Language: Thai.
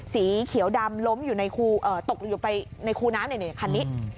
สีเขียวดำล้มอยู่ในคู่เอ่อตกอยู่ไปในคู่น้ำเลยเนี่ยคันนี้